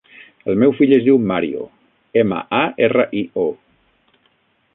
El meu fill es diu Mario: ema, a, erra, i, o.